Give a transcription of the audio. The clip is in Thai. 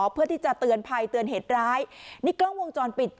เพื่อที่จะเตือนภัยเตือนเหตุร้ายนี่กล้องวงจรปิด